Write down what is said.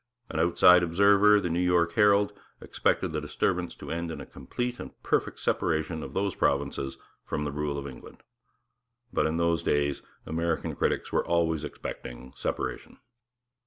An outside observer, the New York Herald, expected the disturbance to end in 'a complete and perfect separation of those provinces from the rule of England'; but in those days American critics were always expecting separation.